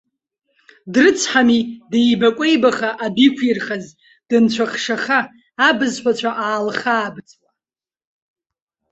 Дрыцҳами, деибакәеибаха адәы иқәирхаз, дынцәахшаха, абзҳәацәа аалхаабыцуа.